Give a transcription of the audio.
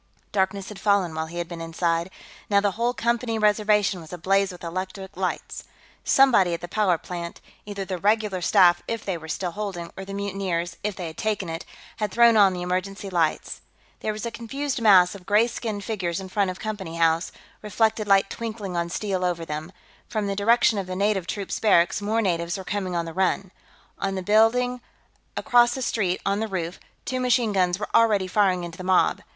Darkness had fallen, while he had been inside; now the whole Company Reservation was ablaze with electric lights. Somebody at the power plant either the regular staff, if they were still holding, or the mutineers, if they had taken it had thrown on the emergency lights. There was a confused mass of gray skinned figures in front of Company House, reflected light twinkling on steel over them; from the direction of the native troops barracks more natives were coming on the run. On the roof of a building across the street, two machine guns were already firing into the mob.